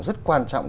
rất quan trọng